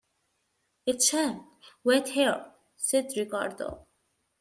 "It shall wait here," said Ricardo.